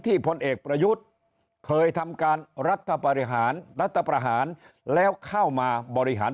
พลเอกประยุทธ์เคยทำการรัฐบริหารรัฐประหารแล้วเข้ามาบริหาร